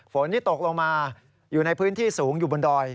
ฝนที่ตกลงมาอยู่ในพื้นที่สูงอยู่บนดอย